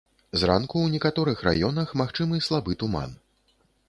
Зранку ў некаторых раёнах магчымы слабы туман.